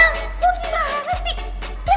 gue cakep kan